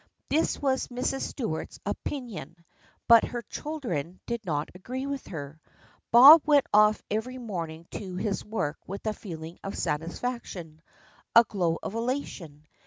This was Mrs. Stuart's opinion, but her chil dren did not agree with her. Bob went off every morning to his work with a feeling of satisfaction, a glow of elation.